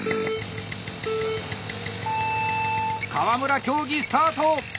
川村競技スタート！